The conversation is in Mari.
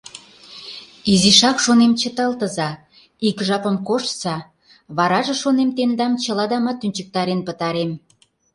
Изишак, шонем, чыталтыза, ик жапым коштса, вараже, шонем, тендам чыладамат тӱнчыктарен пытарем.